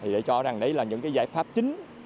để cho rằng đấy là những giải pháp chính